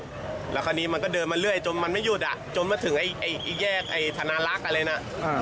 คราวนี้มันก็เดินมาเรื่อยจนมันไม่หยุดจนมาถึงแยกธนารักษ์อะไรนะ